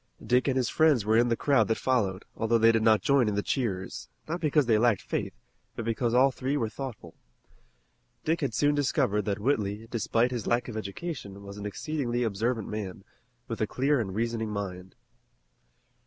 Dick and his friends were in the crowd that followed, although they did not join in the cheers, not because they lacked faith, but because all three were thoughtful. Dick had soon discovered that Whitley, despite his lack of education, was an exceedingly observant man, with a clear and reasoning mind.